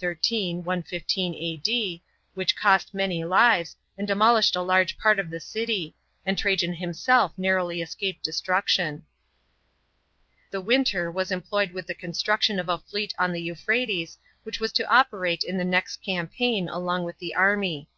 13, 115 A.D.) which cost many lives and demolished a large part of the city, and Trajan himself narrowly escaped destruction. § 13. The winter was employed with the construction of a fleet on the Euphrates, which was to operate in the next campaign along with the army.